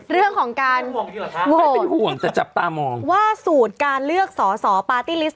เรื่องของการโหวนว่าสูตรการเลือกสอปาร์ตี้ลิสต์